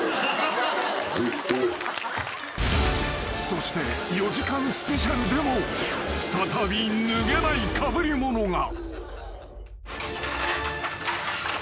［そして４時間スペシャルでも再び脱げないかぶり物が］